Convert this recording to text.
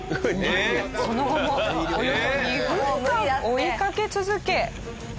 その後もおよそ２分間追いかけ続け。